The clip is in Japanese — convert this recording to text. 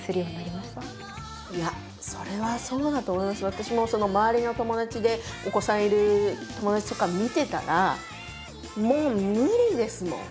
私も周りの友達でお子さんいる友達とか見てたらもう無理ですもん。